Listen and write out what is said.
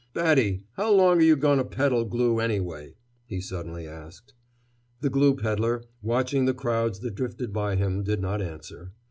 "Batty, how long're yuh going to peddle glue, anyway?" he suddenly asked. The glue peddler, watching the crowds that drifted by him, did not answer.